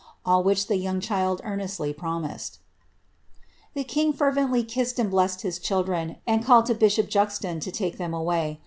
All which the young child < estly promised." The king fervently kissed and blessed his children, and ealli bishop Juxon to take them away.